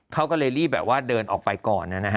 เขาก็เลยรีบแบบว่าเดินออกไปก่อนนะฮะ